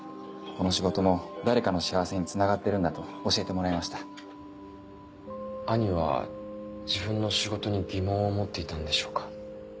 この仕事も誰かの幸せにつながってるんだと教えてもらえました兄は自分の仕事に疑問を持っていたんでしょうか？